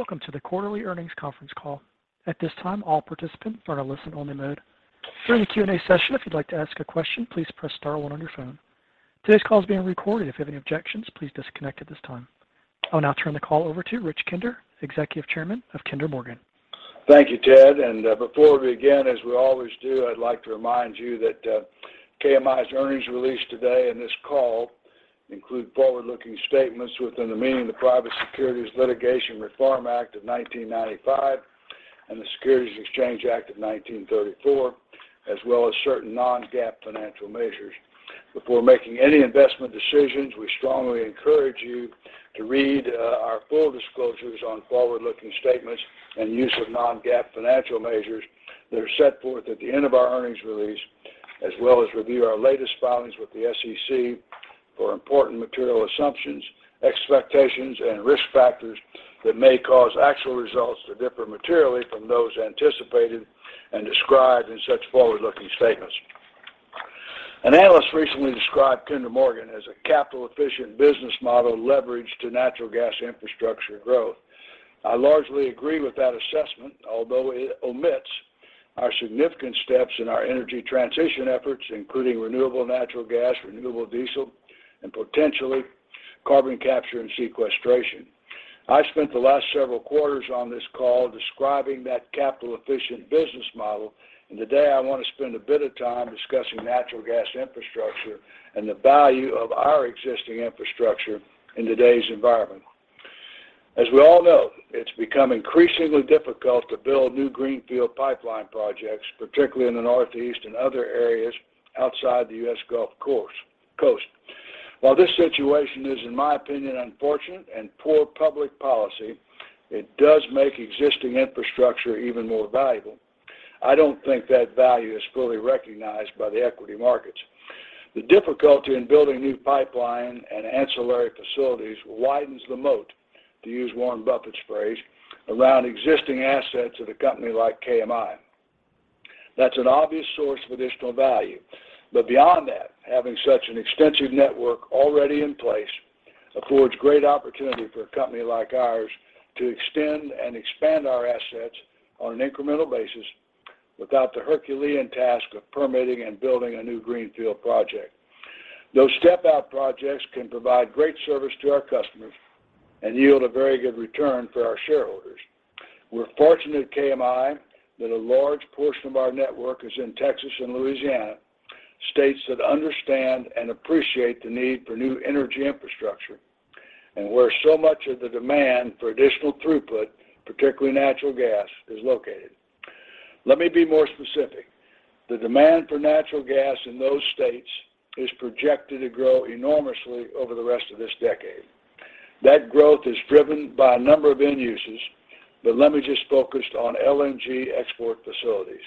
Welcome to the quarterly earnings conference call. At this time, all participants are in a listen-only mode. During the Q&A session, if you'd like to ask a question, please press star one on your phone. Today's call is being recorded. If you have any objections, please disconnect at this time. I'll now turn the call over to Richard Kinder, Executive Chairman of Kinder Morgan. Thank you, Ted. Before we begin, as we always do, I'd like to remind you that KMI's earnings release today and this call include forward-looking statements within the meaning of the Private Securities Litigation Reform Act of 1995 and the Securities Exchange Act of 1934, as well as certain non-GAAP financial measures. Before making any investment decisions, we strongly encourage you to read our full disclosures on forward-looking statements and use of non-GAAP financial measures that are set forth at the end of our earnings release, as well as review our latest filings with the SEC for important material assumptions, expectations, and risk factors that may cause actual results to differ materially from those anticipated and described in such forward-looking statements. An analyst recently described Kinder Morgan as a capital-efficient business model leveraged to natural gas infrastructure growth. I largely agree with that assessment, although it omits our significant steps in our energy transition efforts, including renewable natural gas, renewable diesel, and potentially carbon capture and sequestration. I spent the last several quarters on this call describing that capital-efficient business model, and today I want to spend a bit of time discussing natural gas infrastructure and the value of our existing infrastructure in today's environment. As we all know, it's become increasingly difficult to build new greenfield pipeline projects, particularly in the Northeast and other areas outside the U.S. Gulf Coast. While this situation is, in my opinion, unfortunate and poor public policy, it does make existing infrastructure even more valuable. I don't think that value is fully recognized by the equity markets. The difficulty in building new pipeline and ancillary facilities widens the moat, to use Warren Buffett's phrase, around existing assets of a company like KMI. That's an obvious source of additional value. Beyond that, having such an extensive network already in place affords great opportunity for a company like ours to extend and expand our assets on an incremental basis without the Herculean task of permitting and building a new greenfield project. Those step-out projects can provide great service to our customers and yield a very good return for our shareholders. We're fortunate at KMI that a large portion of our network is in Texas and Louisiana, states that understand and appreciate the need for new energy infrastructure and where so much of the demand for additional throughput, particularly natural gas, is located. Let me be more specific. The demand for natural gas in those states is projected to grow enormously over the rest of this decade. That growth is driven by a number of end uses, but let me just focus on LNG export facilities.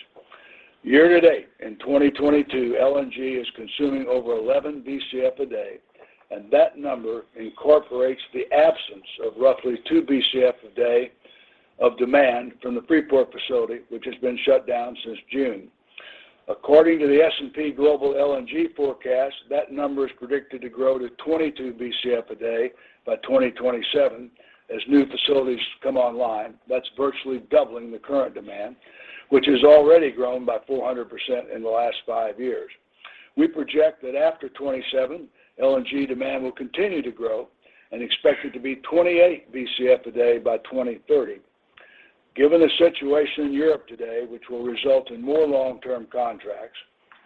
Year-to-date in 2022, LNG is consuming over 11 BCF a day, and that number incorporates the absence of roughly 2 BCF a day of demand from the Freeport LNG facility, which has been shut down since June. According to the S&P Global LNG forecast, that number is predicted to grow to 22 BCF a day by 2027 as new facilities come online. That's virtually doubling the current demand, which has already grown by 400% in the last five years. We project that after 2027, LNG demand will continue to grow and expect it to be 28 BCF a day by 2030. Given the situation in Europe today, which will result in more long-term contracts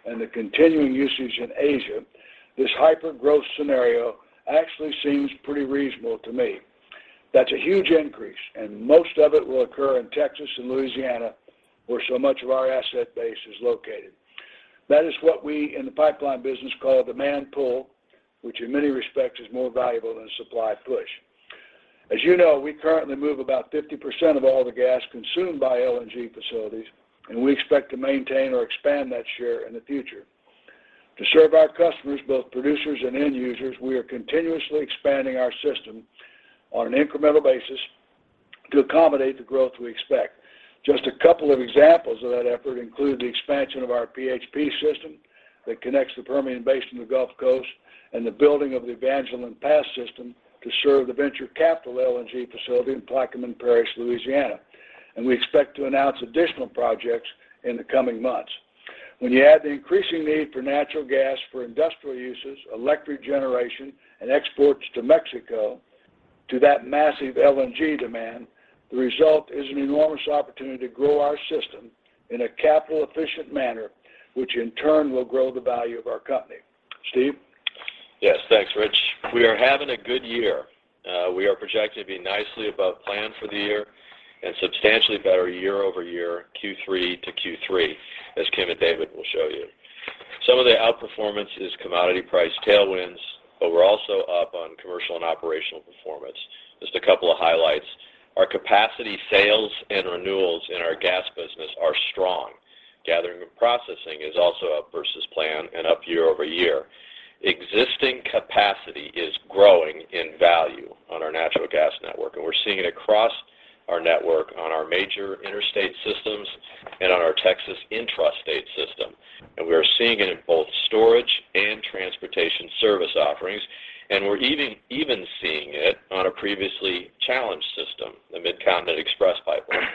and the continuing usage in Asia, this hyper-growth scenario actually seems pretty reasonable to me. That's a huge increase, and most of it will occur in Texas and Louisiana, where so much of our asset base is located. That is what we in the pipeline business call demand pull, which in many respects is more valuable than supply push. As you know, we currently move about 50% of all the gas consumed by LNG facilities, and we expect to maintain or expand that share in the future. To serve our customers, both producers and end users, we are continuously expanding our system on an incremental basis to accommodate the growth we expect. Just a couple of examples of that effort include the expansion of our PHP system that connects the Permian Basin to the Gulf Coast and the building of the Evangeline Pass system to serve the Venture Global LNG facility in Plaquemines Parish, Louisiana. We expect to announce additional projects in the coming months. When you add the increasing need for natural gas for industrial uses, electric generation, and exports to Mexico to that massive LNG demand, the result is an enormous opportunity to grow our system in a capital-efficient manner, which in turn will grow the value of our company. Steve? Yes. Thanks, Rich. We are having a good year. We are projected to be nicely above plan for the year and substantially better year-over-year Q3 to Q3, as Kim and David will show you. Some of the outperformance is commodity price tailwinds, but we're also up on commercial and operational performance. Just a couple of highlights. Our capacity sales and renewals in our gas business are strong. Gathering and processing is also up versus plan and up year-over-year. Existing capacity is growing in value on our natural gas network, and we're seeing it across our network on our major interstate systems. On our Texas intrastate system. We are seeing it in both storage and transportation service offerings, and we're even seeing it on a previously challenged system, the Midcontinent Express Pipeline.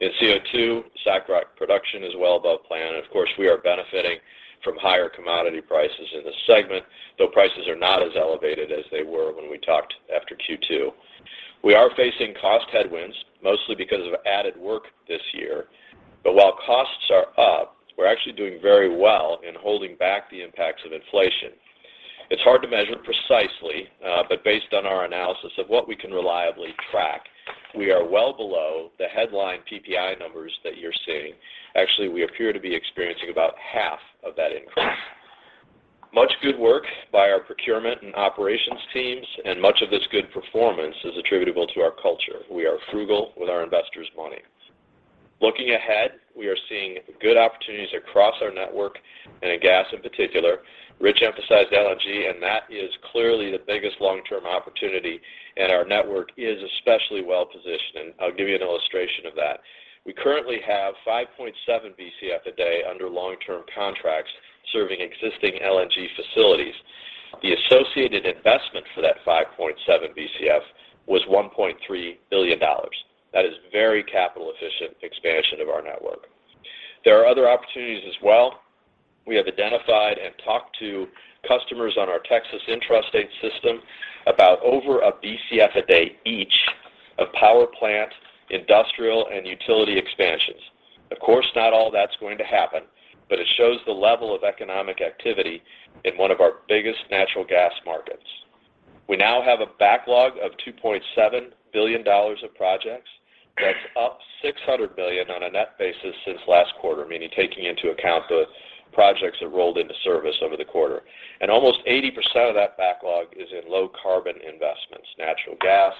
In CO2, SACROC production is well above plan, and of course, we are benefiting from higher commodity prices in this segment, though prices are not as elevated as they were when we talked after Q2. We are facing cost headwinds, mostly because of added work this year. While costs are up, we're actually doing very well in holding back the impacts of inflation. It's hard to measure precisely, but based on our analysis of what we can reliably track, we are well below the headline PPI numbers that you're seeing. Actually, we appear to be experiencing about half of that increase. Much good work by our procurement and operations teams, and much of this good performance is attributable to our culture. We are frugal with our investors' money. Looking ahead, we are seeing good opportunities across our network and in gas in particular. Rich emphasized LNG, and that is clearly the biggest long-term opportunity, and our network is especially well-positioned. I'll give you an illustration of that. We currently have 5.7 Bcf a day under long-term contracts serving existing LNG facilities. The associated investment for that 5.7 Bcf was $1.3 billion. That is very capital-efficient expansion of our network. There are other opportunities as well. We have identified and talked to customers on our Texas intrastate system about over a Bcf a day each of power plant, industrial, and utility expansions. Of course, not all that's going to happen, but it shows the level of economic activity in one of our biggest natural gas markets. We now have a backlog of $2.7 billion of projects. That's up $600 million on a net basis since last quarter, meaning taking into account the projects that rolled into service over the quarter. Almost 80% of that backlog is in low carbon investments, natural gas,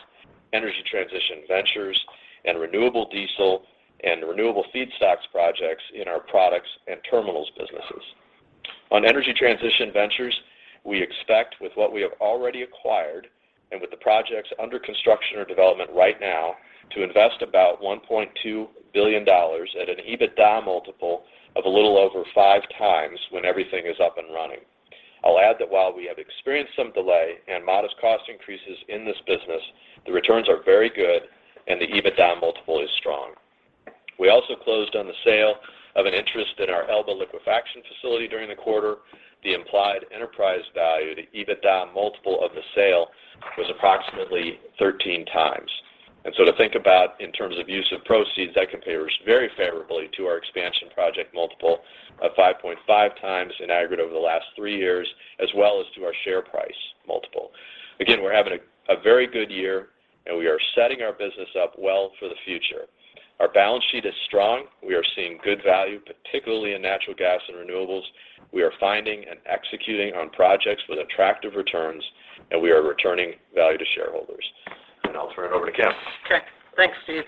energy transition ventures, and renewable diesel, and renewable feedstocks projects in our products and terminals businesses. On energy transition ventures, we expect with what we have already acquired and with the projects under construction or development right now to invest about $1.2 billion at an EBITDA multiple of a little over 5x when everything is up and running. I'll add that while we have experienced some delay and modest cost increases in this business, the returns are very good and the EBITDA multiple is strong. We also closed on the sale of an interest in our Elba liquefaction facility during the quarter. The implied enterprise value, the EBITDA multiple of the sale, was approximately 13x. To think about in terms of use of proceeds, that compares very favorably to our expansion project multiple of 5.5x in aggregate over the last 3 years, as well as to our share price multiple. Again, we're having a very good year and we are setting our business up well for the future. Our balance sheet is strong. We are seeing good value, particularly in natural gas and renewables. We are finding and executing on projects with attractive returns, and we are returning value to shareholders. I'll turn it over to Kim. Okay. Thanks, Steve.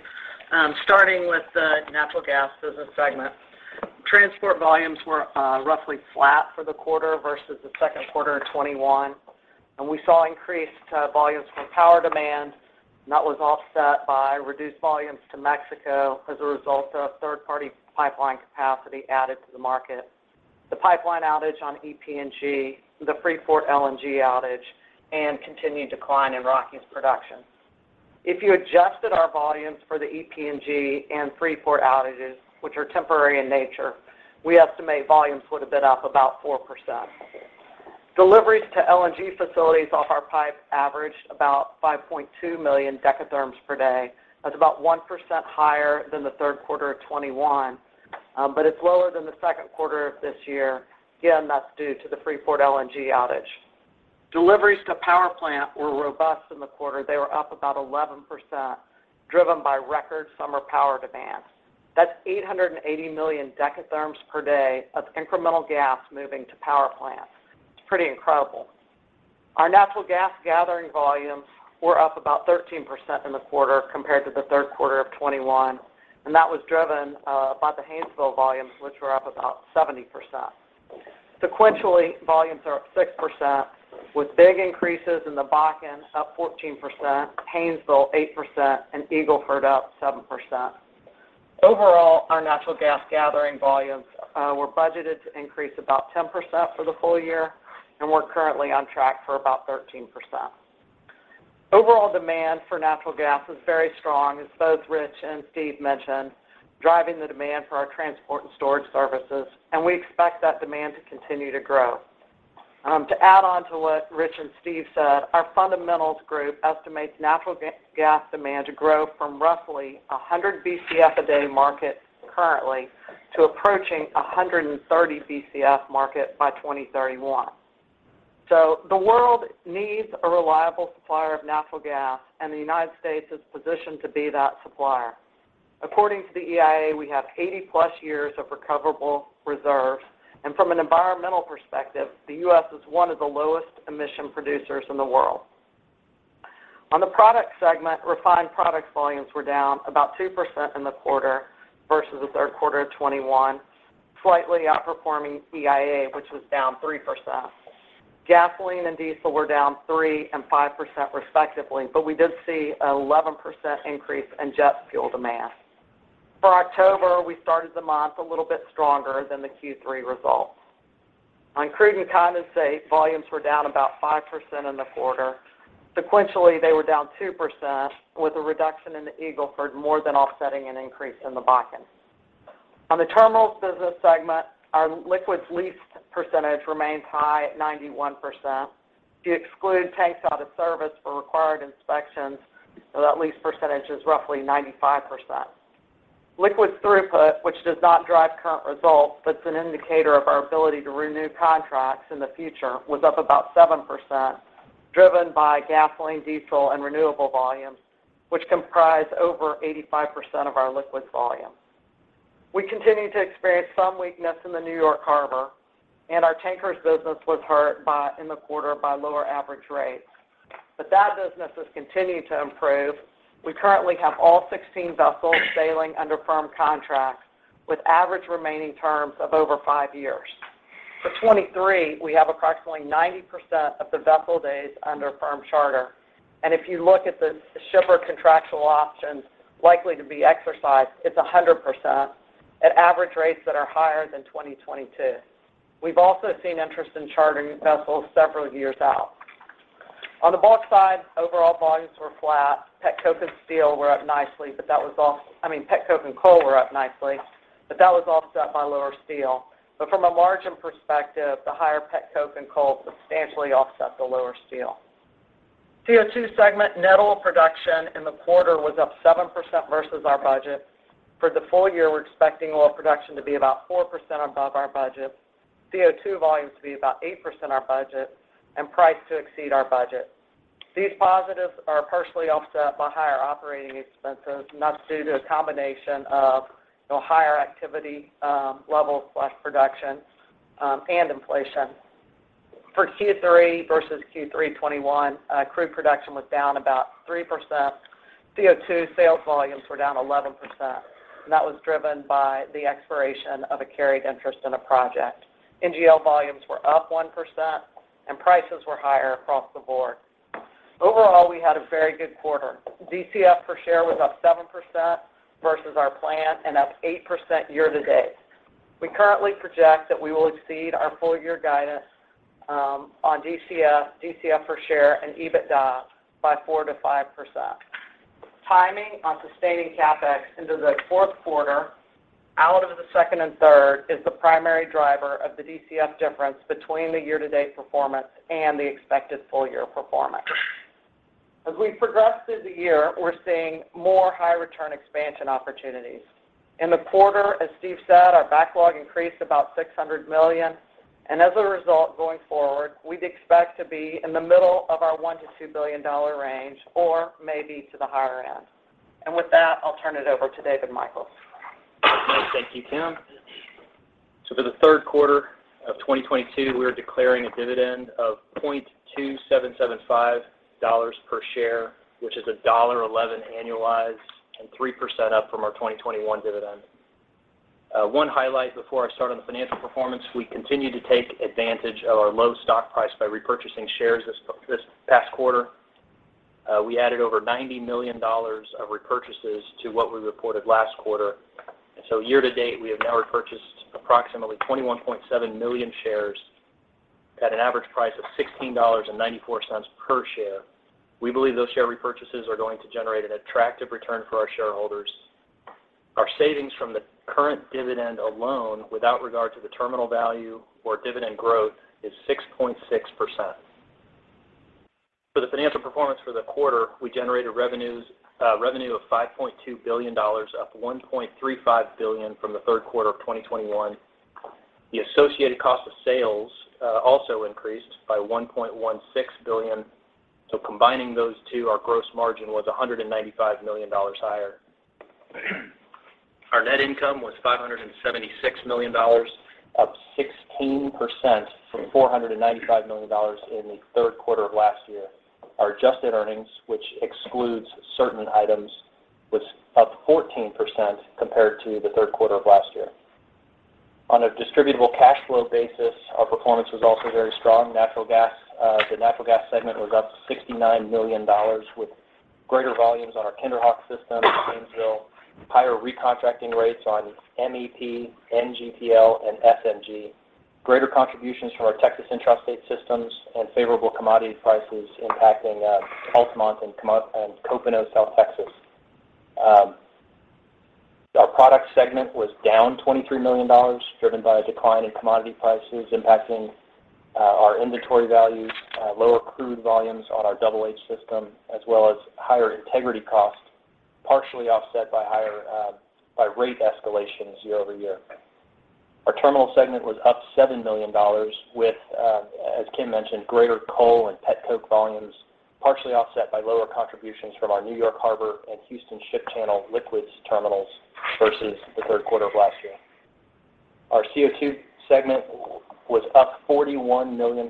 Starting with the natural gas business segment. Transport volumes were roughly flat for the quarter versus the second quarter of 2021, and we saw increased volumes from power demand, and that was offset by reduced volumes to Mexico as a result of third-party pipeline capacity added to the market, the pipeline outage on EPNG, the Freeport LNG outage, and continued decline in Rockies production. If you adjusted our volumes for the EPNG and Freeport outages, which are temporary in nature, we estimate volumes would have been up about 4%. Deliveries to LNG facilities off our pipe averaged about 5.2 million dekatherms per day. That's about 1% higher than the third quarter of 2021. But it's lower than the second quarter of this year. Again, that's due to the Freeport LNG outage. Deliveries to power plant were robust in the quarter. They were up about 11%, driven by record summer power demands. That's 880 million dekatherms per day of incremental gas moving to power plants. It's pretty incredible. Our natural gas gathering volumes were up about 13% in the quarter compared to the third quarter of 2021, and that was driven by the Haynesville volumes, which were up about 70%. Sequentially, volumes are up 6% with big increases in the Bakken, up 14%, Haynesville 8%, and Eagle Ford up 7%. Overall, our natural gas gathering volumes were budgeted to increase about 10% for the full year, and we're currently on track for about 13%. Overall demand for natural gas was very strong, as both Rich and Steve mentioned, driving the demand for our transport and storage services, and we expect that demand to continue to grow. To add on to what Rich and Steve said, our fundamentals group estimates natural gas demand to grow from roughly 100 Bcf a day market currently to approaching 130 Bcf market by 2031. The world needs a reliable supplier of natural gas, and the United States is positioned to be that supplier. According to the EIA, we have 80+ years of recoverable reserves, and from an environmental perspective, the U.S. is one of the lowest emission producers in the world. On the product segment, refined products volumes were down about 2% in the quarter versus the third quarter of 2021, slightly outperforming EIA, which was down 3%. Gasoline and diesel were down 3% and 5% respectively, but we did see an 11% increase in jet fuel demand. For October, we started the month a little bit stronger than the Q3 results. On crude and condensate, volumes were down about 5% in the quarter. Sequentially, they were down 2% with a reduction in the Eagle Ford more than offsetting an increase in the Bakken. On the terminals business segment, our liquids leased percentage remains high at 91%. If you exclude tanks out of service for required inspections, so that lease percentage is roughly 95%. Liquids throughput, which does not drive current results, but it's an indicator of our ability to renew contracts in the future, was up about 7%, driven by gasoline, diesel and renewable volumes, which comprise over 85% of our liquids volume. We continue to experience some weakness in the New York Harbor, and our tankers business was hurt in the quarter by lower average rates. That business has continued to improve. We currently have all 16 vessels sailing under firm contracts with average remaining terms of over 5 years. For 2023, we have approximately 90% of the vessel days under firm charter. If you look at the shipper contractual options likely to be exercised, it's 100% at average rates that are higher than 2022. We've also seen interest in chartering vessels several years out. On the bulk side, overall volumes were flat. Pet coke and steel were up nicely, I mean, pet coke and coal were up nicely, but that was offset by lower steel. From a margin perspective, the higher pet coke and coal substantially offset the lower steel. CO2 segment net oil production in the quarter was up 7% versus our budget. For the full year, we're expecting oil production to be about 4% above our budget, CO2 volumes to be about 8% our budget, and price to exceed our budget. These positives are partially offset by higher operating expenses, and that's due to a combination of, you know, higher activity, level/production, and inflation. For Q3 versus Q3 2021, crude production was down about 3%. CO2 sales volumes were down 11%, and that was driven by the expiration of a carried interest in a project. NGL volumes were up 1%, and prices were higher across the board. Overall, we had a very good quarter. DCF per share was up 7% versus our plan, and up 8% year-to-date. We currently project that we will exceed our full year guidance on DCF per share and EBITDA by 4%-5%. Timing on sustaining CapEx into the fourth quarter out of the second and third is the primary driver of the DCF difference between the year-to-date performance and the expected full-year performance. As we progress through the year, we're seeing more high return expansion opportunities. In the quarter, as Steve said, our backlog increased about $600 million, and as a result, going forward, we'd expect to be in the middle of our $1-$2 billion range or maybe to the higher end. With that, I'll turn it over to David P. Michels. Thank you, Kim. For the third quarter of 2022, we are declaring a dividend of $0.2775 per share, which is $1.11 annualized and 3% up from our 2021 dividend. One highlight before I start on the financial performance, we continue to take advantage of our low stock price by repurchasing shares this past quarter. We added over $90 million of repurchases to what we reported last quarter. Year to date, we have now repurchased approximately 21.7 million shares at an average price of $16.94 per share. We believe those share repurchases are going to generate an attractive return for our shareholders. Our savings from the current dividend alone, without regard to the terminal value or dividend growth, is 6.6%. For the financial performance for the quarter, we generated revenue of $5.2 billion, up $1.35 billion from the third quarter of 2021. The associated cost of sales also increased by $1.16 billion. Combining those two, our gross margin was $195 million higher. Our net income was $576 million, up 16% from $495 million in the third quarter of last year. Our adjusted earnings, which excludes certain items, was up 14% compared to the third quarter of last year. On a distributable cash flow basis, our performance was also very strong. Natural gas, the natural gas segment was up $69 million with greater volumes on our KinderHawk system, Haynesville, higher recontracting rates on MEP, NGPL, and SNG, greater contributions from our Texas intrastate systems and favorable commodity prices impacting Altamont and Copano South Texas. Our product segment was down $23 million, driven by a decline in commodity prices impacting our inventory values, lower crude volumes on our Double H system, as well as higher integrity costs, partially offset by higher rate escalations year over year. Our terminal segment was up $7 million with, as Tim mentioned, greater coal and pet coke volumes, partially offset by lower contributions from our New York Harbor and Houston Ship Channel liquids terminals versus the third quarter of last year. Our CO2 segment was up $41 million,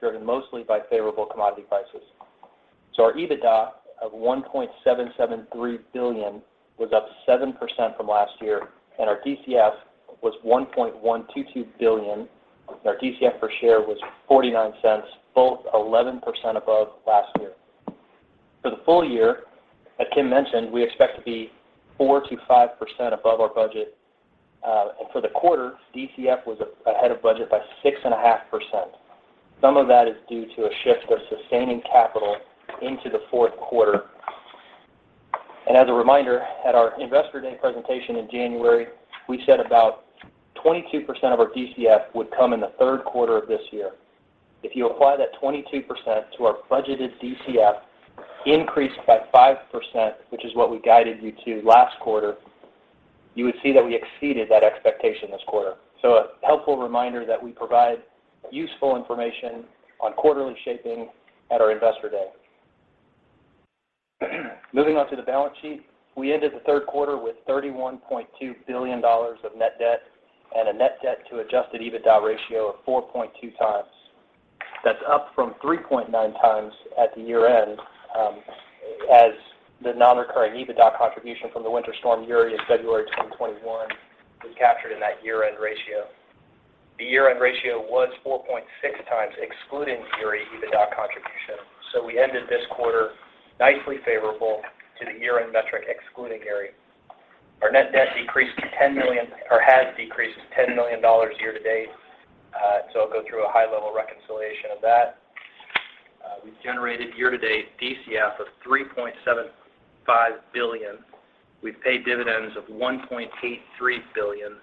driven mostly by favorable commodity prices. Our EBITDA of $1.773 billion was up 7% from last year, and our DCF was $1.122 billion. Our DCF per share was $0.49, both 11% above last year. For the full year, as Kim mentioned, we expect to be 4%-5% above our budget. For the quarter, DCF was ahead of budget by 6.5%. Some of that is due to a shift of sustaining capital into the fourth quarter. As a reminder, at our Investor Day presentation in January, we said about 22% of our DCF would come in the third quarter of this year. If you apply that 22% to our budgeted DCF increased by 5%, which is what we guided you to last quarter, you would see that we exceeded that expectation this quarter. A helpful reminder that we provide useful information on quarterly shaping at our Investor Day. Moving on to the balance sheet. We ended the third quarter with $31.2 billion of net debt and a net debt to adjusted EBITDA ratio of 4.2x. That's up from 3.9x at the year-end, as the non-recurring EBITDA contribution from the Winter Storm Uri in February 2021 was captured in that year-end ratio. The year-end ratio was 4.6x excluding Uri EBITDA contribution. We ended this quarter nicely favorable to the year-end metric excluding Uri. Our net debt has decreased $10 million year to date. I'll go through a high-level reconciliation of that. We've generated year to date DCF of $3.75 billion. We've paid dividends of $1.83 billion.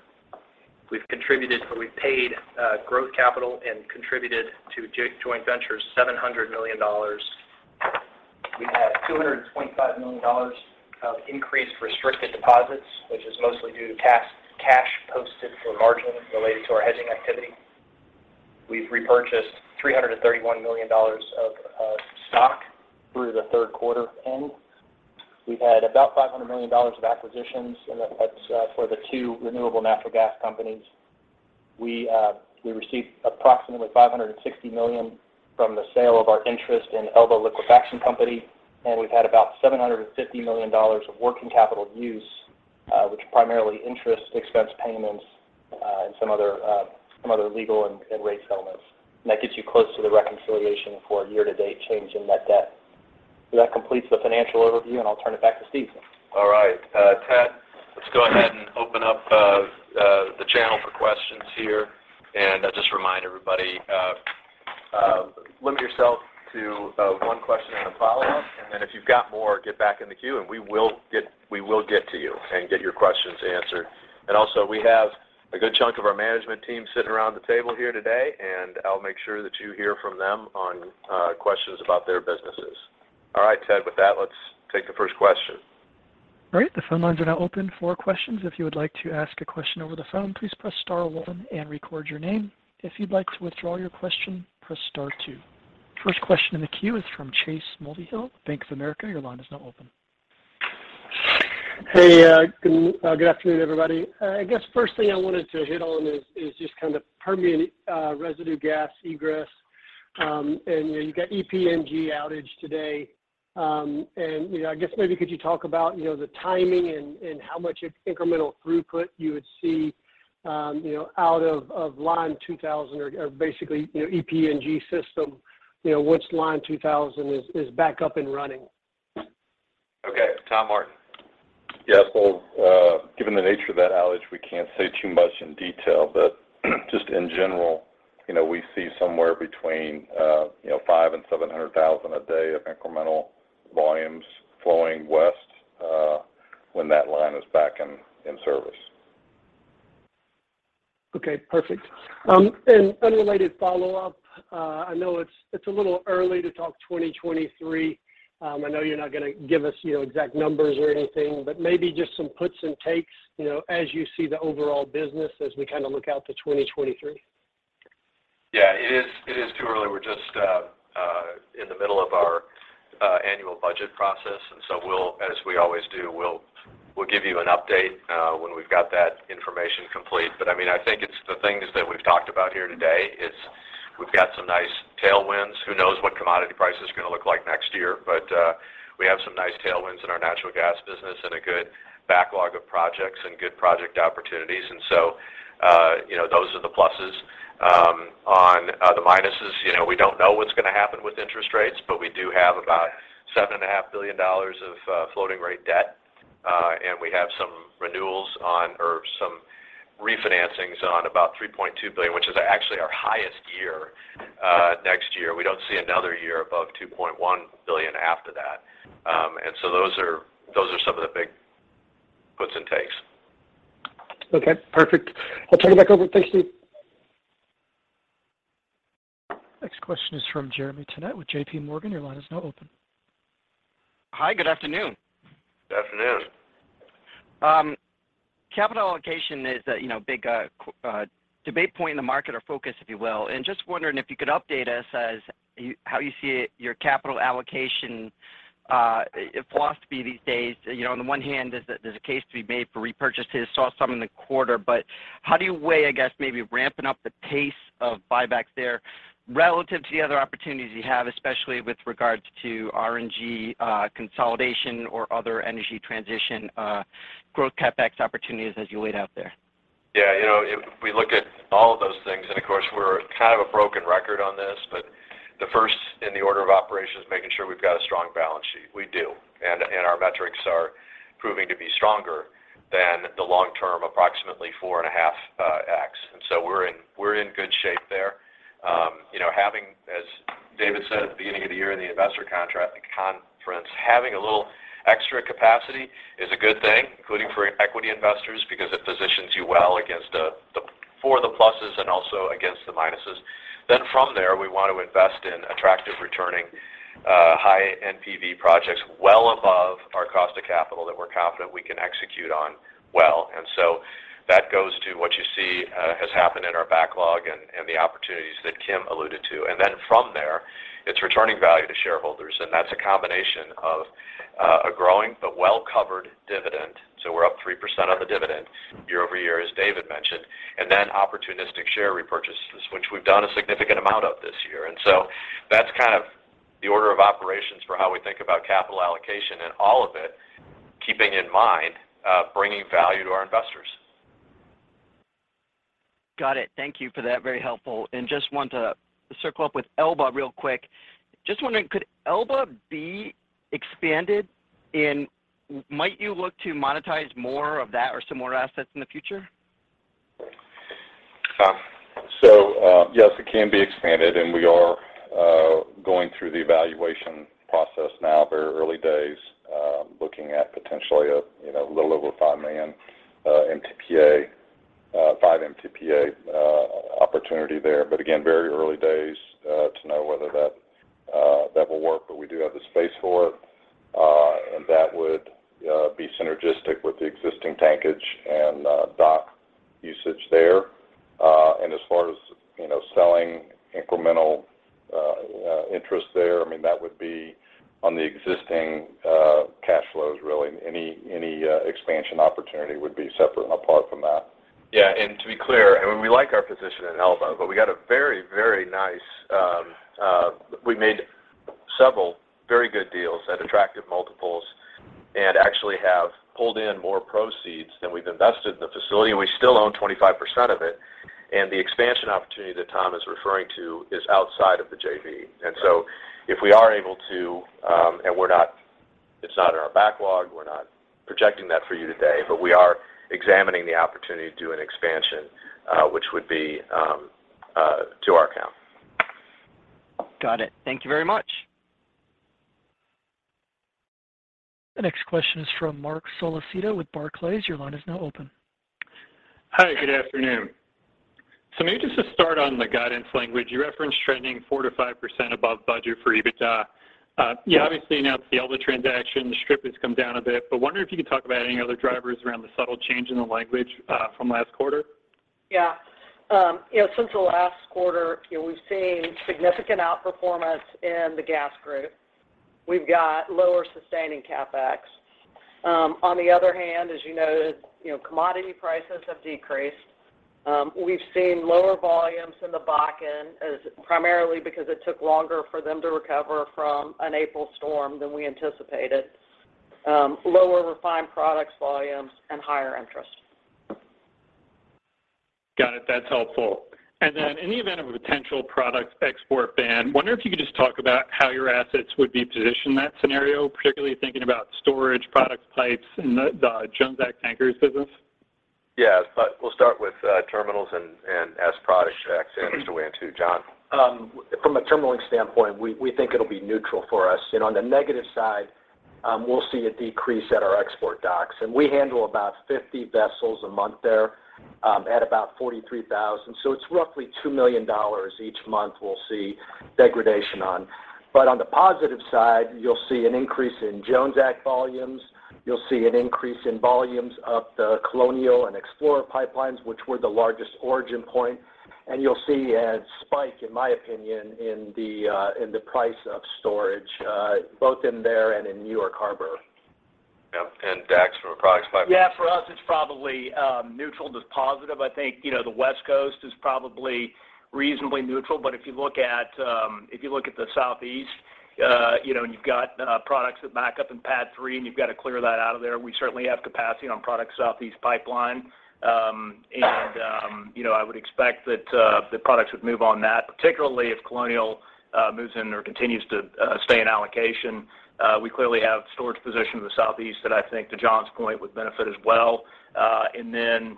We've contributed or we've paid growth capital and contributed to joint ventures $700 million. We've had $225 million of increased restricted deposits, which is mostly due to cash posted for margins related to our hedging activity. We've repurchased $331 million of stock through the third quarter end. We've had about $500 million of acquisitions, and that's for the two renewable natural gas companies. We received approximately $560 million from the sale of our interest in Elba Liquefaction Company, and we've had about $750 million of working capital use, which primarily interest expense payments, and some other legal and rate settlements. That gets you close to the reconciliation for year-to-date change in net debt. That completes the financial overview, and I'll turn it back to Steve. All right. Ted, let's go ahead and open up the channel for questions here. I'll just remind everybody, limit yourself to one question and a follow-up. If you've got more, get back in the queue, and we will get to you and get your questions answered. Also, we have a good chunk of our management team sitting around the table here today, and I'll make sure that you hear from them on questions about their businesses. All right, Ted. With that, let's take the first question. All right. The phone lines are now open for questions. If you would like to ask a question over the phone, please press star one and record your name. If you'd like to withdraw your question, press star two. First question in the queue is from Chase Mulvehill, Bank of America. Your line is now open. Hey, good afternoon, everybody. I guess first thing I wanted to hit on is just kind of Permian residue gas egress. You know, you got EPNG outage today. I guess maybe could you talk about you know, the timing and how much incremental throughput you would see you know, out of Line 2000 or basically you know, EPNG system, you know, once Line 2000 is back up and running? Okay. Tom Martin. Yeah. Given the nature of that outage, we can't say too much in detail. Just in general, you know, we see somewhere between 500,000-700,000 a day of incremental volumes flowing west, when that line is back in service. Okay. Perfect. Unrelated follow-up. I know it's a little early to talk 2023. I know you're not gonna give us, you know, exact numbers or anything, but maybe just some puts and takes, you know, as you see the overall business as we kind of look out to 2023. Yeah. It is too early. We're just in the middle of our annual budget process. We'll, as we always do, give you an update when we've got that information complete. I mean, I think it's the things that we've talked about here today is we've got some nice tailwinds. Who knows what commodity price is gonna look like next year? We have some nice tailwinds in our natural gas business and a good backlog of projects and good project opportunities. You know, those are the pluses. On the minuses, you know, we don't know what's gonna happen with interest rates, but we do have about $7.5 billion of floating rate debt. We have some renewals on or some refinancings on about $3.2 billion, which is actually our highest year, next year. We don't see another year above $2.1 billion after that. Those are some of the big puts and takes. Okay. Perfect. I'll turn it back over. Thanks, Steve. Next question is from Jeremy Tonet with J.P. Morgan. Your line is now open. Hi. Good afternoon. Good afternoon. Capital allocation is a, you know, big debate point in the market or focus, if you will. Just wondering if you could update us on how you see your capital allocation philosophy these days, you know, on the one hand is that there's a case to be made for repurchases. Saw some in the quarter, but how do you weigh, I guess, maybe ramping up the pace of buybacks there relative to the other opportunities you have, especially with regards to RNG consolidation or other energy transition growth CapEx opportunities as you wait out there? Yeah. You know, we look at all of those things, and of course, we're kind of a broken record on this, but the first in the order of operations is making sure we've got a strong balance sheet. We do, and our metrics are proving to be stronger than the long-term, approximately 4.5x. We're in good shape there. You know, having, as David said at the beginning of the year in the investor conference, having a little extra capacity is a good thing, including for equity investors because it positions you well against the pluses and also against the minuses. From there, we want to invest in attractive returning high NPV projects well above our cost of capital that we're confident we can execute on well. That goes to what you see has happened in our backlog and the opportunities that Tim alluded to. Then from there, it's returning value to shareholders, and that's a combination of a growing but well-covered dividend. We're up 3% on the dividend year-over-year, as David mentioned, and then opportunistic share repurchases, which we've done a significant amount of this year. That's kind of the order of operations for how we think about capital allocation and all of it, keeping in mind bringing value to our investors. Got it. Thank you for that. Very helpful. Just want to circle up with Elba real quick. Just wondering, could Elba be expanded? Might you look to monetize more of that or similar assets in the future? Yes, it can be expanded, and we are going through the evaluation process Maybe just to start on the guidance language. You referenced trending 4%-5% above budget for EBITDA. You obviously announced the Elba transaction. The strip has come down a bit, but wondering if you could talk about any other drivers around the subtle change in the language from last quarter. Yeah. You know, since the last quarter, you know, we've seen significant outperformance in the gas group. We've got lower sustaining CapEx. On the other hand, as you noted, you know, commodity prices have decreased. We've seen lower volumes in the back-end primarily because it took longer for them to recover from an April storm than we anticipated, lower refined products volumes, and higher interest. Got it. That's helpful. In the event of a potential product export ban, wonder if you could just talk about how your assets would be positioned in that scenario, particularly thinking about storage, product types, and the Jones Act tankers business? Yes. We'll start with terminals and, as products, expand into John Schlosser. From a terminaling standpoint, we think it'll be neutral for us. You know, on the negative side, we'll see a decrease at our export docks, and we handle about 50 vessels a month there, at about 43,000. It's roughly $2 million each month we'll see degradation on. On the positive side, you'll see an increase in Jones Act volumes. You'll see an increase in volumes up the Colonial and Explorer pipelines, which were the largest origin point. You'll see a spike, in my opinion, in the price of storage, both in there and in New York Harbor. Yeah. Dax Sanders from a product standpoint. Yeah. For us, it's probably neutral to positive. I think, you know, the West Coast is probably reasonably neutral. If you look at the Southeast, you know, and you've got products that back up in PADD 3, and you've got to clear that out of there. We certainly have capacity on Products Southeast Pipeline. I would expect that the products would move on that, particularly if Colonial Pipeline moves in or continues to stay in allocation. We clearly have storage position in the Southeast that I think, to John's point, would benefit as well.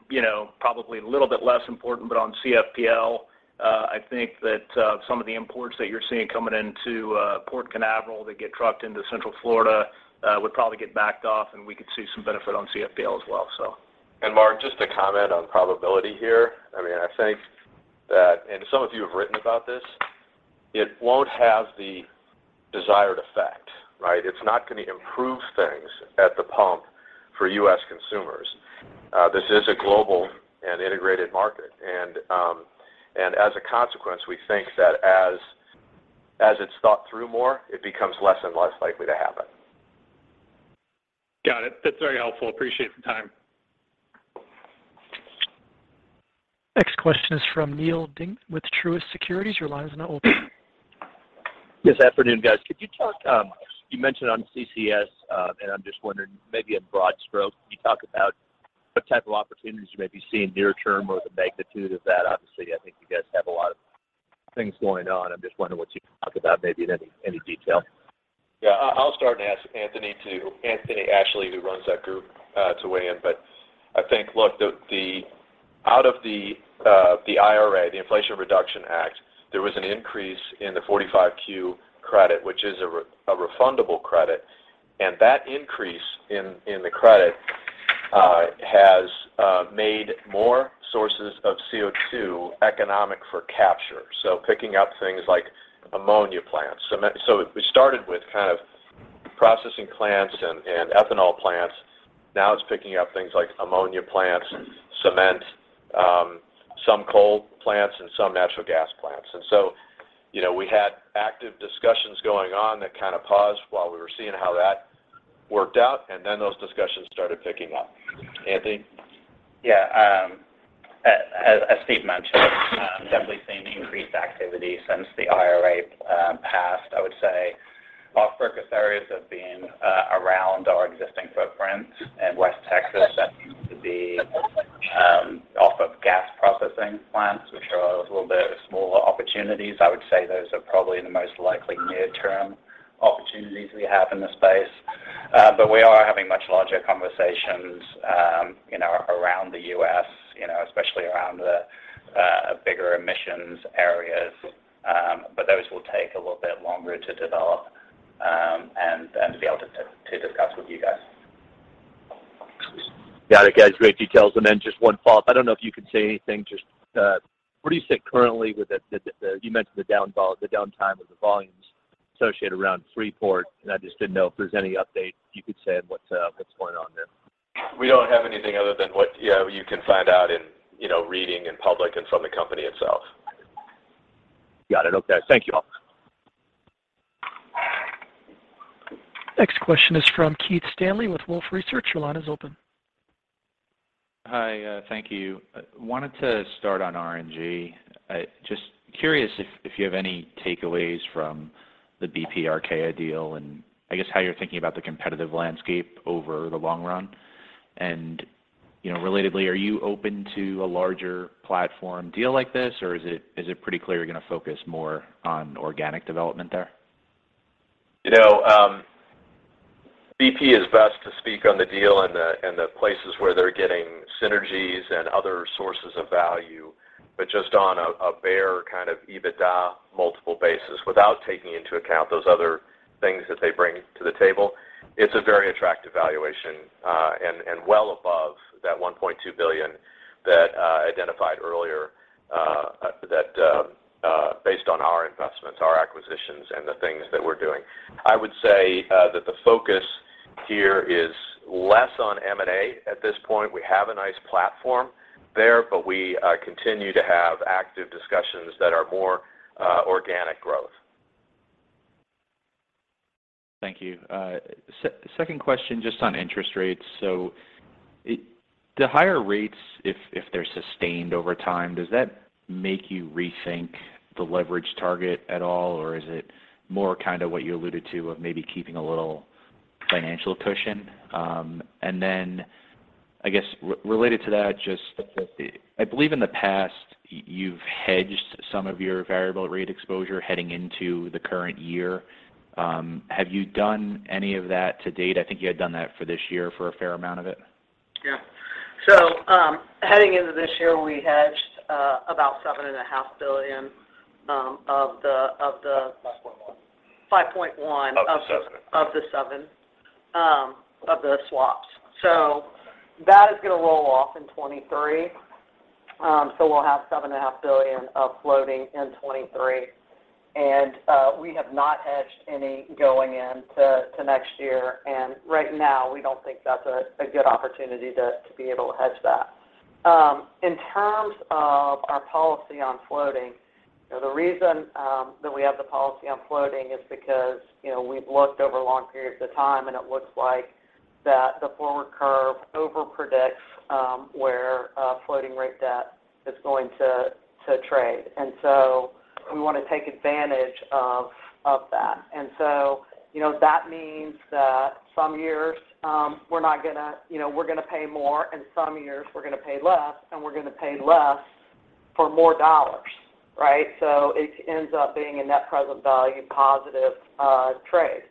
You know, probably a little bit less important, but on CFPL, I think that some of the imports that you're seeing coming into Port Canaveral that get trucked into Central Florida would probably get backed off, and we could see some benefit on CFPL as well. Marc, just to comment on probability here. I mean, I think that, and some of you have written about this, it won't have the desired effect, right? It's not gonna improve things at the pump for U.S. consumers. This is a global and integrated market. As a consequence, we think that as it's thought through more, it becomes less and less likely to happen. Got it. That's very helpful. Appreciate the time. Next question is from Neal Dingmann with Truist Securities. Your line is now open. Yes. Afternoon, guys. Could you talk, you mentioned on CCS, and I'm just wondering maybe in broad strokes, can you talk about what type of opportunities you may be seeing near term or the magnitude of that? Obviously, I think you guys have a lot of things going on. I'm just wondering what you can talk about maybe in any detail. I'll start and ask Anthony Ashley, who runs that group, to weigh in. I think, look, out of the IRA, the Inflation Reduction Act, there was an increase in the 45Q credit, which is a refundable credit. That increase in the credit has made more sources of CO2 economic for capture, so picking up things like ammonia plants. So we started with kind of processing plants and ethanol plants. Now it's picking up things like ammonia plants, cement, some coal plants, and some natural gas plants. You know, we had active discussions going on that kind of paused while we were seeing how that worked out, and then those discussions started picking up. Anthony. Yeah. As Steve mentioned, definitely seeing increased activity since the IRA passed. I would say our focus areas have been around our existing footprint in West Texas. That seems to be off of gas processing plants, which are a little bit smaller opportunities. I would say those are probably the most likely near-term opportunities we have in the space. We are having much larger conversations, you know, around the US, you know, especially around the bigger emissions areas. Those will take a little bit longer to develop, and then to be able to discuss with you guys. Got it, guys. Great details. Just one follow-up. I don't know if you can say anything. Just where do you sit currently with the downtime of the volumes associated around Freeport, and I just didn't know if there's any update you could say on what's going on there. We don't have anything other than what, you know, you can find out in, you know, reading in public and from the company itself. Got it. Okay. Thank you all. Next question is from Keith Stanley with Wolfe Research. Your line is open. Hi. Thank you. I wanted to start on RNG. Just curious if you have any takeaways from the BP Archaea deal and I guess how you're thinking about the competitive landscape over the long run. You know, relatedly, are you open to a larger platform deal like this, or is it pretty clear you're gonna focus more on organic development there? You know, BP is best to speak on the deal and the places where they're getting synergies and other sources of value. Just on a bare kind of EBITDA multiple basis, without taking into account those other things that they bring to the table, it's a very attractive valuation, and well above that $1.2 billion that identified earlier, based on our investments, our acquisitions, and the things that we're doing. I would say that the focus here is less on M&A at this point. We have a nice platform there, but we continue to have active discussions that are more organic growth. Thank you. Second question, just on interest rates. The higher rates, if they're sustained over time, does that make you rethink the leverage target at all, or is it more kind of what you alluded to of maybe keeping a little financial cushion? And then I guess related to that, just, I believe in the past you've hedged some of your variable rate exposure heading into the current year. Have you done any of that to date? I think you had done that for this year for a fair amount of it. Yeah. Heading into this year, we hedged about $7.5 billion of the 5.1. Five point one of the- Of the seven. Out of the seven swaps. That is gonna roll off in 2023. We'll have $7.5 billion of floating in 2023. We have not hedged any going into next year. Right now we don't think that's a good opportunity to be able to hedge that. In terms of our policy on floating, you know, the reason that we have the policy on floating is because, you know, we've looked over long periods of time, and it looks like that the forward curve overpredicts where floating rate debt is going to trade. We wanna take advantage of that. You know, that means that some years, we're not gonna. You know, we're gonna pay more, and some years we're gonna pay less, and we're gonna pay less for more dollars, right? So it ends up being a net present value positive trade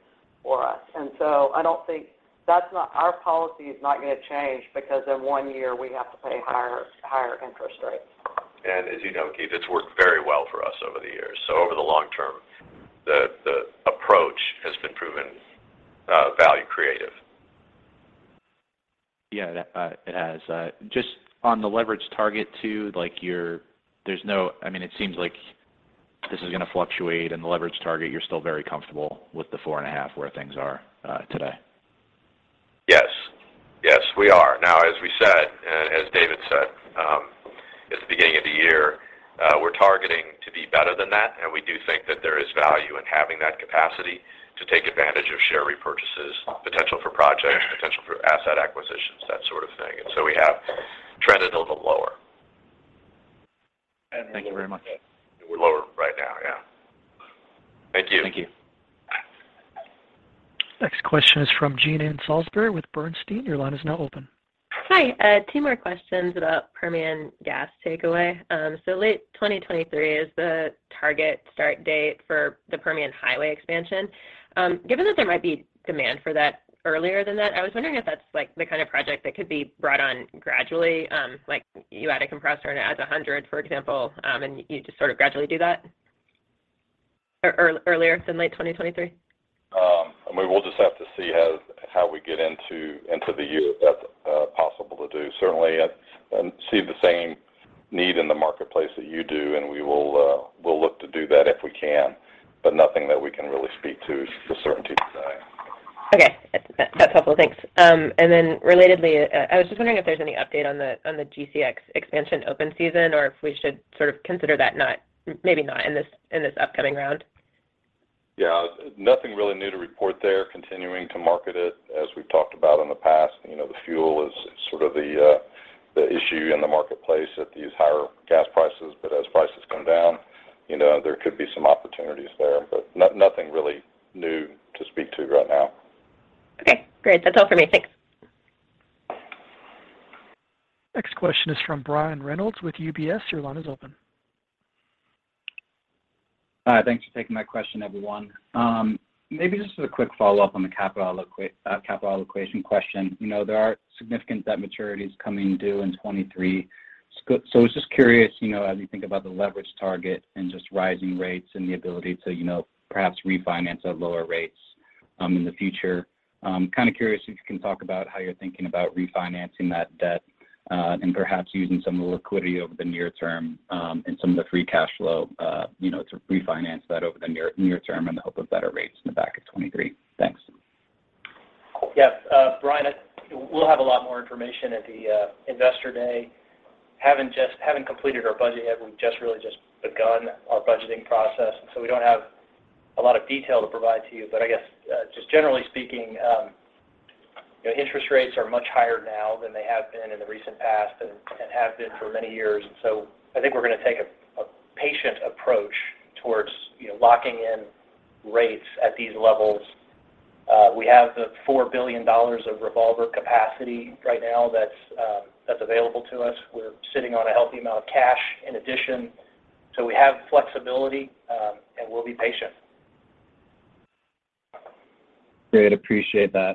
for us. I don't think our policy is not gonna change because in one year we have to pay higher interest rates. As you know, Keith, it's worked very well for us over the years. Over the long term, the approach has been proven value creative. Yeah. That, it has. Just on the leverage target too, I mean, it seems like this is gonna fluctuate and the leverage target, you're still very comfortable with the 4.5 where things are today. Yes. Yes, we are. Now, as we said, and as David Michaels said, at the beginning of the year, we're targeting to be better than that, and we do think that there is value in having that capacity to take advantage of share repurchases, potential for projects, potential for asset acquisitions, that sort of thing. We have trended a little lower. Thank you very much. We're lower right now, yeah. Thank you. Thank you. Next question is from Jean Ann Salisbury with Bernstein. Your line is now open. Hi. Two more questions about Permian gas takeaway. Late 2023 is the target start date for the Permian Highway expansion. Given that there might be demand for that earlier than that, I was wondering if that's, like, the kind of project that could be brought on gradually, like you add a compressor and it adds 100, for example, and you just sort of gradually do that earlier than late 2023. I mean, we'll just have to see how we get into the year if that's possible to do. Certainly, I see the same need in the marketplace that you do, and we'll look to do that if we can. But nothing that we can really speak to with certainty today. Okay. That's helpful. Thanks. Relatedly, I was just wondering if there's any update on the GCX expansion open season, or if we should sort of consider that maybe not in this upcoming round. Yeah. Nothing really new to report there. Continuing to market it as we've talked about in the past. You know, the fuel is sort of the issue in the marketplace at these higher gas prices. As prices come down, you know, there could be some opportunities there. Nothing really new to speak to right now. Okay, great. That's all for me. Thanks. Next question is from Brian Reynolds with UBS. Your line is open. Hi. Thanks for taking my question, everyone. Maybe just as a quick follow-up on the capital allocation question. You know, there are significant debt maturities coming due in 2023. So I was just curious, you know, as you think about the leverage target and just rising rates and the ability to, you know, perhaps refinance at lower rates in the future, I'm kind of curious if you can talk about how you're thinking about refinancing that debt and perhaps using some of the liquidity over the near term and some of the free cash flow, you know, to refinance that over the near term in the hope of better rates in the back of 2023. Thanks. Yes. Brian, we'll have a lot more information at the investor day. Haven't completed our budget yet. We've really begun our budgeting process, and so we don't have a lot of detail to provide to you. I guess just generally speaking, you know, interest rates are much higher now than they have been in the recent past and have been for many years. I think we're gonna take a patient approach towards, you know, locking in rates at these levels. We have the $4 billion of revolver capacity right now that's available to us. We're sitting on a healthy amount of cash in addition. We have flexibility, and we'll be patient. Great. Appreciate that.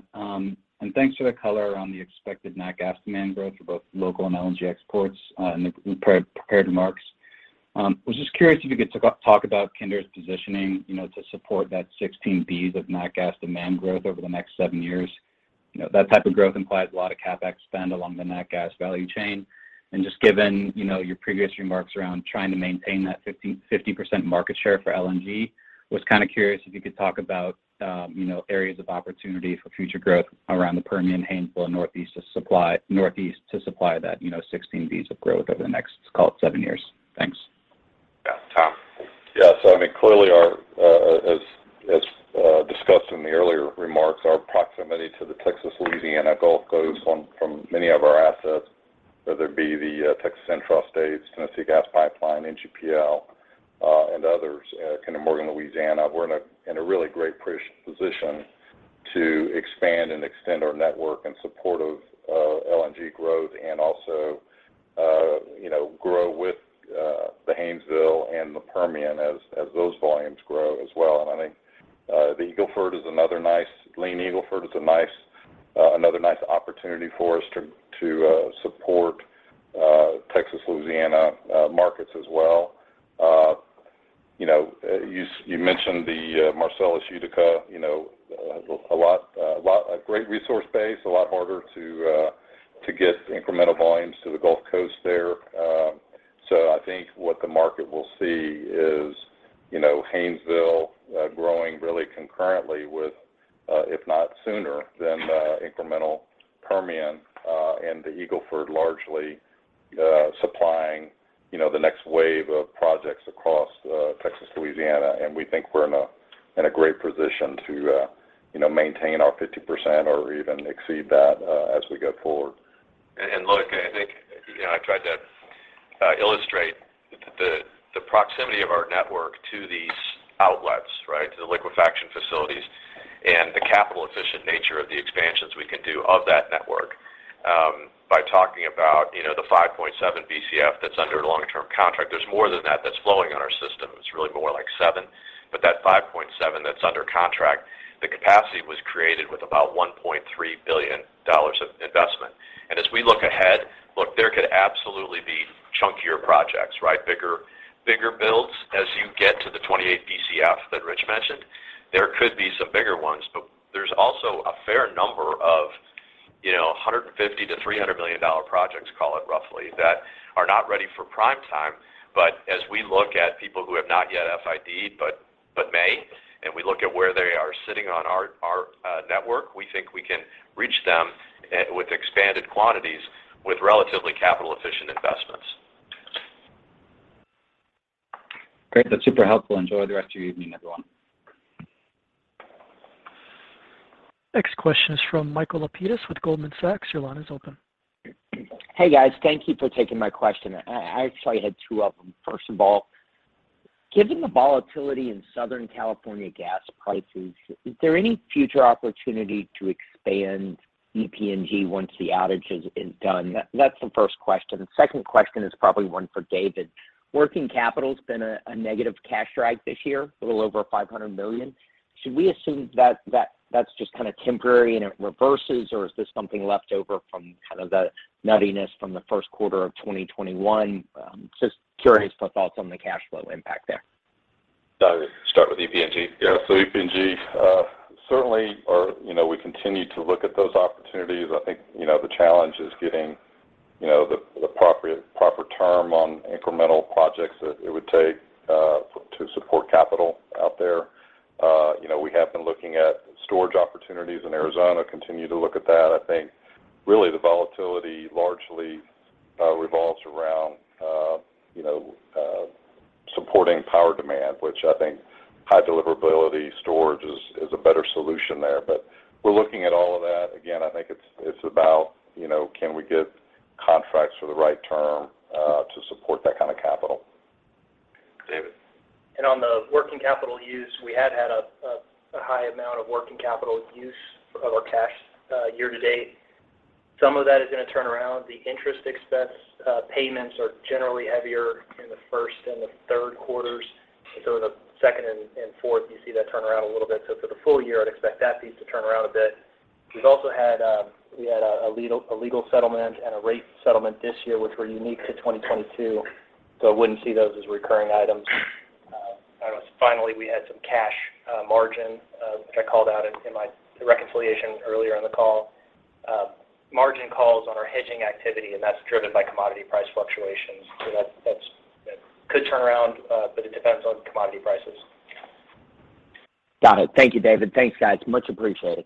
Thanks for the color on the expected nat gas demand growth for both local and LNG exports in the prepared remarks. Was just curious if you could talk about Kinder's positioning, you know, to support that 16 BCF of nat gas demand growth over the next seven years. You know, that type of growth implies a lot of CapEx spend along the nat gas value chain. Just given, you know, your previous remarks around trying to maintain that 50-50% market share for LNG, was kind of curious if you could talk about, you know, areas of opportunity for future growth around the Permian, Haynesville, and Northeast to supply that, you know, 16 BCF of growth over the next, let's call it seven years. Thanks. Yeah. Tom. I mean, clearly, as discussed in the earlier remarks, our proximity to the Texas Louisiana Gulf Coast from many of our assets, whether it be the Texas Central States, Tennessee Gas Pipeline, NGPL, and others, Kinder Morgan Louisiana, we're in a really great position to expand and extend our network in support of LNG growth and also, you know, grow with the Haynesville and the Permian as those volumes grow as well. I think the Eagle Ford is another nice opportunity for us to support Texas Louisiana markets as well. You know, you mentioned the Marcellus Utica. You know, a lot, a great resource base, a lot harder to get incremental volumes to the Gulf Coast there. So I think what the market will see is, you know, Haynesville growing really concurrently with if not sooner than the incremental Permian and the Eagle Ford largely supplying, you know, the next wave of projects across Texas, Louisiana. We think we're in a great position to, you know, maintain our 50% or even exceed that as we go forward. Look, I think, you know, I tried to illustrate the proximity of our network to these outlets, right? To the liquefaction facilities. The capital efficient nature of the expansions we can do of that network by talking about, you know, the 5.7 BCF that's under long-term contract. There's more than that that's flowing on our system. It's really more like 7. But that 5.7 that's under contract, the capacity was created with about $1.3 billion of investment. As we look ahead, look, there could absolutely be chunkier projects, right? Bigger builds as you get to the 28 BCF that Rich mentioned. There could be some bigger ones, but there's also a fair number of, you know, $150-$300 million projects, call it roughly, that are not ready for prime time. As we look at people who have not yet FID, but may, and we look at where they are sitting on our network, we think we can reach them with expanded quantities with relatively capital-efficient investments. Great. That's super helpful. Enjoy the rest of your evening, everyone. Next question is from Michael Lapides with Goldman Sachs. Your line is open. Hey, guys. Thank you for taking my question. I actually had two of them. First of all, given the volatility in Southern California gas prices, is there any future opportunity to expand EPNG once the outage is done? That's the first question. Second question is probably one for David. Working capital's been a negative cash drag this year, a little over $500 million. Should we assume that that's just kind of temporary and it reverses, or is this something left over from kind of the nuttiness from the first quarter of 2021? Just curious for thoughts on the cash flow impact there. Start with EPNG. Yeah, EPNG certainly, you know, we continue to look at those opportunities. I think, you know, the challenge is getting, you know, the proper term on incremental projects that it would take to support capital out there. You know, we have been looking at storage opportunities in Arizona, continue to look at that. I think really the volatility largely revolves around, you know, supporting power demand, which I think high deliverability storage is a better solution there. We're looking at all of that. Again, I think it's about, you know, can we get contracts for the right term to support that kind of capital. David. On the working capital use, we had a high amount of working capital use of our cash year to date. Some of that is gonna turn around. The interest expense payments are generally heavier in the first and the third quarters. In the second and fourth, you see that turn around a little bit. For the full year, I'd expect that piece to turn around a bit. We've also had we had a legal settlement and a rate settlement this year, which were unique to 2022, so I wouldn't see those as recurring items. Finally, we had some cash margin, which I called out in the reconciliation earlier in the call. Margin calls on our hedging activity, and that's driven by commodity price fluctuations. That could turn around, but it depends on commodity prices. Got it. Thank you, David. Thanks, guys. Much appreciated.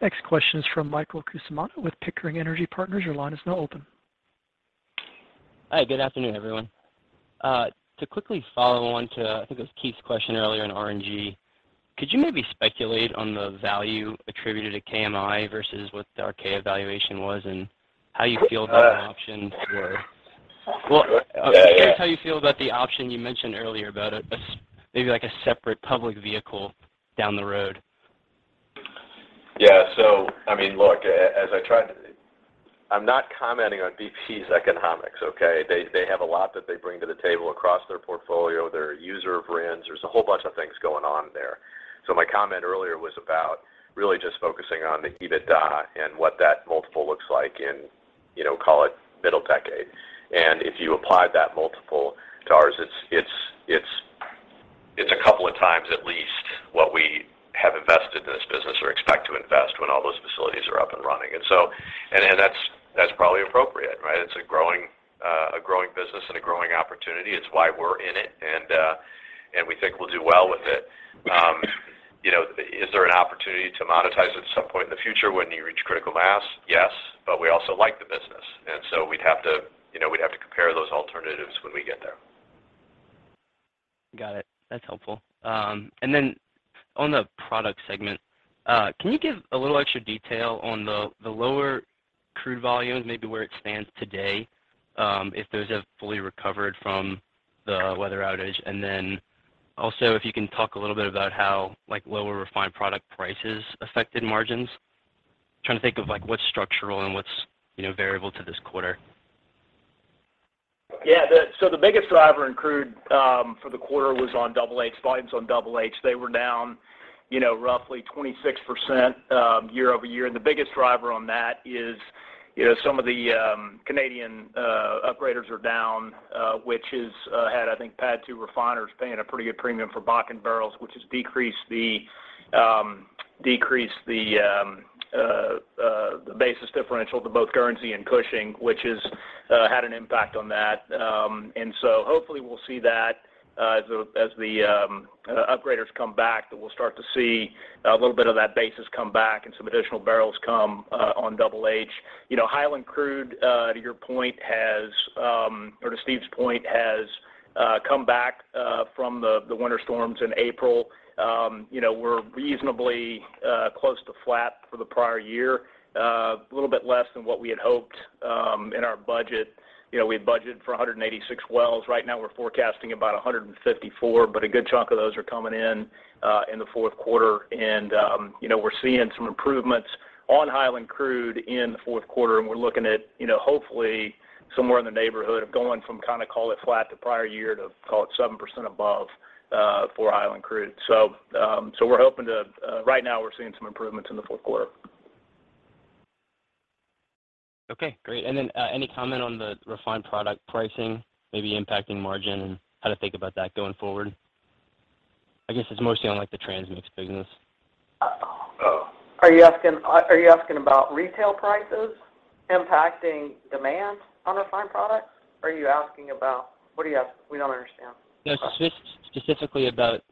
Next question is from Michael Cusimano with Pickering Energy Partners. Your line is now open. Hi. Good afternoon, everyone. To quickly follow on to, I think it was Keith's question earlier on RNG. Could you maybe speculate on the value attributed to KMI versus what the Archaea valuation was and how you feel about the options for... Yeah, yeah. Just how you feel about the option you mentioned earlier about maybe like a separate public vehicle down the road? Yeah. I mean, look, as I tried to, I'm not commenting on BP's economics, okay? They have a lot that they bring to the table across their portfolio. They're a user of RINs. There's a whole bunch of things going on there. My comment earlier was about really just focusing on the EBITDA and what that multiple looks like in, you know, call it middle decade. If you apply that multiple to ours, it's a couple of times at least what we have invested in this business or expect to invest when all those facilities are up and running. And that's probably appropriate, right? It's a growing business and a growing opportunity. It's why we're in it and we think we'll do well with it. You know, is there an opportunity to monetize it at some point in the future when you reach critical mass? Yes. We also like the business, and so we'd have to, you know, we'd have to compare those alternatives when we get there. Got it. That's helpful. On the product segment, can you give a little extra detail on the lower crude volumes, maybe where it stands today, if those have fully recovered from the weather outage? If you can talk a little bit about how, like, lower refined product prices affected margins. Trying to think of, like, what's structural and what's, you know, variable to this quarter. Yeah. The biggest driver in crude for the quarter was on Double H. Volumes on Double H, they were down, you know, roughly 26%, year-over-year. The biggest driver on that is, you know, some of the Canadian upgraders are down, which has had, I think, had to refiners paying a pretty good premium for Bakken barrels, which has decreased the basis differential to both Guernsey and Cushing, which has had an impact on that. Hopefully we'll see that as the upgraders come back, that we'll start to see a little bit of that basis come back and some additional barrels come on Double H. You know, Hiland Crude, to your point, or to Steve's point, has come back from the winter storms in April. You know, we're reasonably close to flat for the prior year. A little bit less than what we had hoped in our budget. You know, we had budgeted for 186 wells. Right now we're forecasting about 154, but a good chunk of those are coming in in the fourth quarter. You know, we're seeing some improvements on Hiland Crude in the fourth quarter, and we're looking at, you know, hopefully somewhere in the neighborhood of going from kinda call it flat the prior year to call it 7% above for Hiland Crude. Right now we're seeing some improvements in the fourth quarter. Okay, great. Any comment on the refined product pricing maybe impacting margin and how to think about that going forward? I guess it's mostly on like the transmix business. Are you asking about retail prices impacting demand on refined products? What are you asking? We don't understand. No, specifically about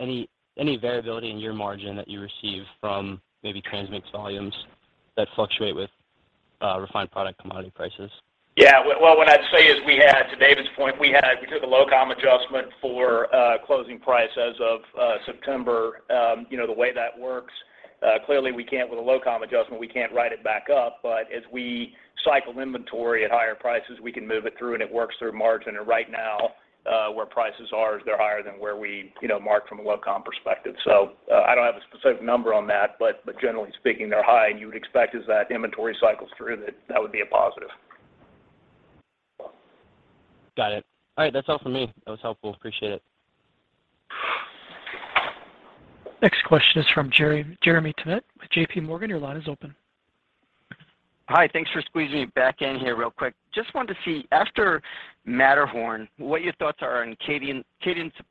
any variability in your margin that you receive from maybe transmix volumes that fluctuate with refined product commodity prices. Well, what I'd say is we had, to David's point, we took a LOCOM adjustment for closing price as of September. You know, the way that works, clearly we can't with a LOCOM adjustment, we can't write it back up. But as we cycle inventory at higher prices, we can move it through and it works through margin. And right now, where prices are is they're higher than where we, you know, marked from a LOCOM perspective. So I don't have a specific number on that, but generally speaking, they're high, and you would expect as that inventory cycles through that would be a positive. Got it. All right. That's all for me. That was helpful. Appreciate it. Next question is from Jeremy Tonet with J.P. Morgan. Your line is open. Hi. Thanks for squeezing me back in here real quick. Just wanted to see, after Matterhorn, what your thoughts are on Cadien's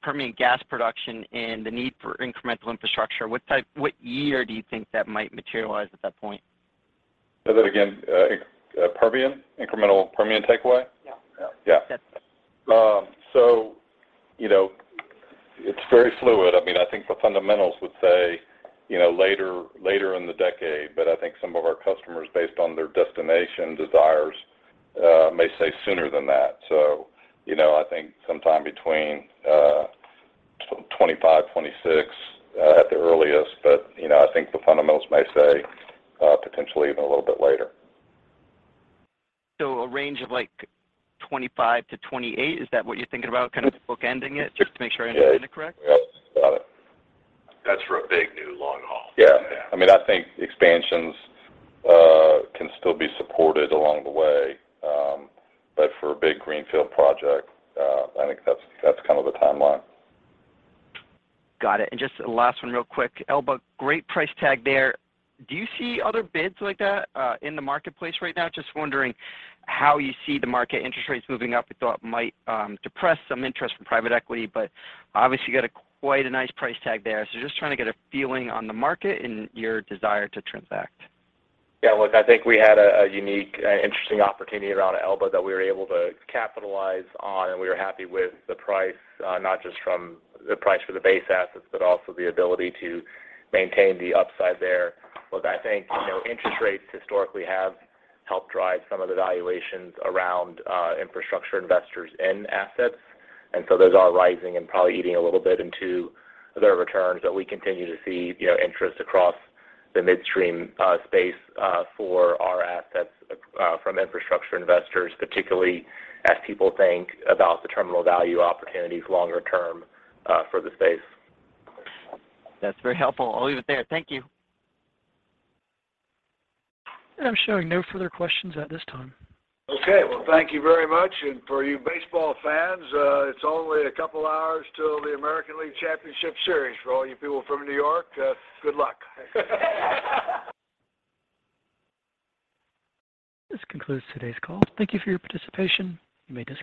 Permian gas production and the need for incremental infrastructure. What year do you think that might materialize at that point? Say that again. Permian? Incremental Permian takeaway? Yeah. Yeah. You know, it's very fluid. I mean, I think the fundamentals would say, you know, later in the decade. I think some of our customers, based on their destination desires, may say sooner than that. You know, I think sometime between 2025-2026 at the earliest. You know, I think the fundamentals may say, potentially even a little bit later. A range of like 2025-2028, is that what you're thinking about? Kind of bookending it, just to make sure I understand it correct. Yeah. Yep. Got it. That's for a big new long haul. Yeah. I mean, I think expansions can still be supported along the way. For a big greenfield project, I think that's kind of the timeline. Got it. Just last one real quick. Elba, great price tag there. Do you see other bids like that in the marketplace right now? Just wondering how you see the market interest rates moving up. We thought it might depress some interest from private equity, but obviously you got quite a nice price tag there. Just trying to get a feeling on the market and your desire to transact. Yeah. Look, I think we had a unique and interesting opportunity around Elba that we were able to capitalize on, and we were happy with the price, not just from the price for the base assets, but also the ability to maintain the upside there. Look, I think, you know, interest rates historically have helped drive some of the valuations around infrastructure investors in assets, and so those are rising and probably eating a little bit into their returns. We continue to see, you know, interest across the midstream space for our assets from infrastructure investors, particularly as people think about the terminal value opportunities longer term for the space. That's very helpful. I'll leave it there. Thank you. I'm showing no further questions at this time. Okay. Well, thank you very much. For you baseball fans, it's only a couple of hours till the American League Championship Series. For all you people from New York, good luck. This concludes today's call. Thank you for your participation. You may disconnect.